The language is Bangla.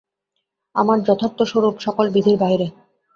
আমার যথার্থ স্বরূপ সকল বিধির বাহিরে।